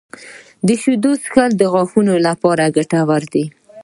• د شیدو څښل د غاښونو لپاره ګټور دي.